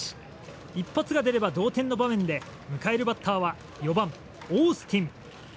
一発が出れば同点の場面で迎えるバッターは４番、オースティン。